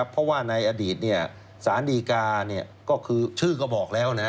เพราะว่าในอนานสารดีการ